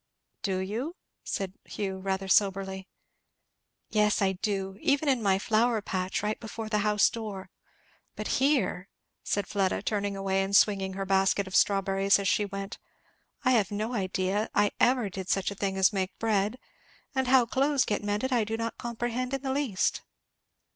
"Do you?" said Hugh, rather soberly. "Yes I do, even in my flower patch, right before the house door; but here " said Fleda, turning away and swinging her basket of strawberries as she went, "I have no idea I ever did such a thing as make bread! and how clothes get mended I do not comprehend in the least!"